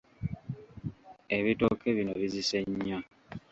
Ebitooke bino bizise nnyo.